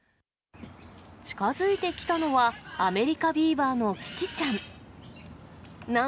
近づいてきたのは、アメリカビーバーのキキちゃん。